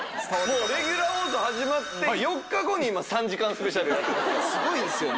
もうレギュラー放送始まって４日後に今３時間スペシャルやってますから。